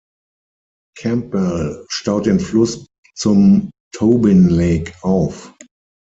Campbell" staut den Fluss zum Tobin Lake auf.